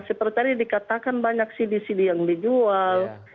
seperti tadi dikatakan banyak cd cd yang dijual